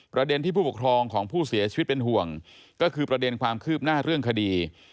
ประเด็นที่ผู้ปกครองของผู้เสียชีวิตเป็นห่วงก็คือประเด็นความคืบหน้าเรื่องคดี